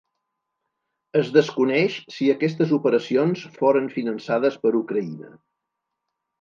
Es desconeix si aquestes operacions foren finançades per Ucraïna.